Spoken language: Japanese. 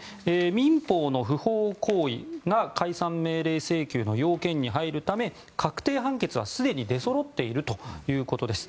民法の不法行為が解散命令請求の要件に入るため、確定判決はすでに出そろってるということです。